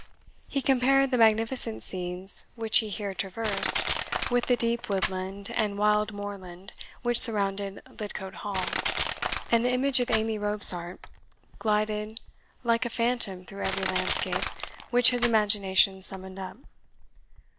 He compared the magnificent scenes which he here traversed with the deep woodland and wild moorland which surrounded Lidcote Hall, and the image of Amy Robsart glided like a phantom through every landscape which his imagination summoned up.